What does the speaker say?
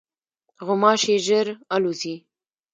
غوماشې ژر الوزي.